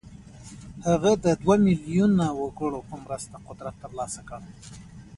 هغه د دوه ميليونه وګړو په مرسته قدرت ترلاسه کړ.